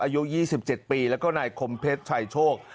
อายุ๒๗ปีแล้วก็นายคมเพชรชายโชค